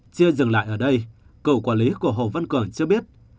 chia dừng lại ở đây cựu quản lý của hồ văn cường chưa biết